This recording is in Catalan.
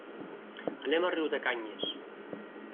Anem a Riudecanyes.